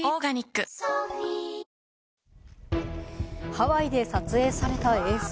ハワイで撮影された映像。